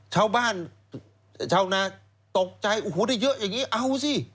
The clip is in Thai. ชาวนาตกใจโอ้โหได้เยอะอย่างนี้เอาสิ